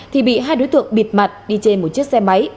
thì bị hai đối tượng bịt mặt đi trên một chiếc xe máy